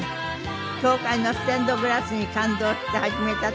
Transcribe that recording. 教会のステンドグラスに感動して始めたという切り絵。